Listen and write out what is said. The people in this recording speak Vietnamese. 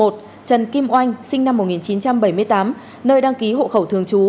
trần kim oanh sinh năm một nghìn chín trăm bảy mươi tám nơi đăng ký hộ khẩu thường trú